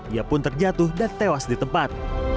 ia pun terjatuh dan tewas di tempat